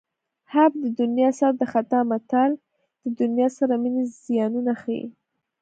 حب د دنیا سر د خطا متل د دنیا سره مینې زیانونه ښيي